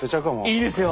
いいですよ！